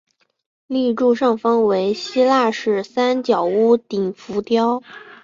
立柱上方为希腊式三角屋顶浮雕。